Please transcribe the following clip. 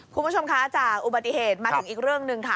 คุณผู้ชมคะจากอุบัติเหตุมาถึงอีกเรื่องหนึ่งค่ะ